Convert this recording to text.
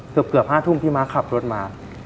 เกือบ๕ทุ่มพี่ม้าขับรถมา